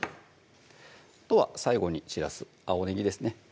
あとは最後に散らす青ねぎですね